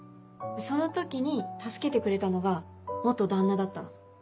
その時に助けてくれたのが旦那だったの。